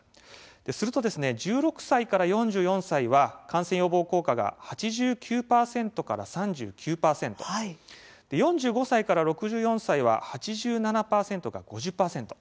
すると、１６歳から４４歳は感染予防効果が８９％から３９％４５歳から６４歳は８７％が５０％。